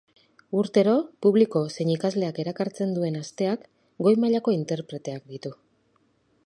Urtero publiko zein ikasleak erakartzen duen asteak, goi mailako interpreteak ditu.